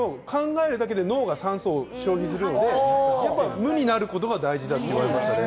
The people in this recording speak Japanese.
考えるだけで脳は酸素消費するので、無になることが大事だと言われましたね。